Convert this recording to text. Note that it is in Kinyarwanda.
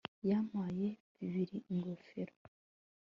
Yampaye bibiri ingofero